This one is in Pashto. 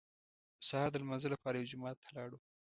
سهار د لمانځه لپاره یو جومات ته لاړو.